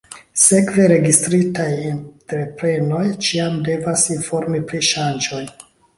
Sekve, registritaj entreprenoj ĉiam devas informi pri ŝanĝoj.